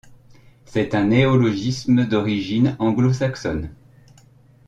C'est un néologisme d'origine anglo-saxonne.